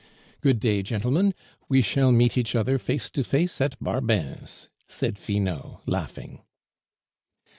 "Good day, gentlemen; we shall meet each other face to face at Barbin's," said Finot, laughing.